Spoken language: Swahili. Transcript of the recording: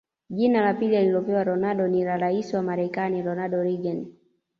Jina la pili alilopewa Ronaldo ni la rais wa Marekani Ronald Reagan